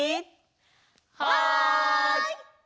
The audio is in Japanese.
はい！